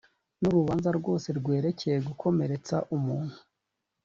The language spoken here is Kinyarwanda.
n’urubanza rwose rwerekeye gukomeretsa umuntu.